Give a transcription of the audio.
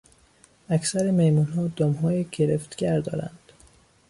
اکثر میمونها دمهای گرفتگر دارند.